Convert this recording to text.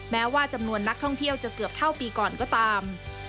แม้ว่าจำนวนนักท่องเที่ยวจะเกือบเท่าปีก่อนก็ตาม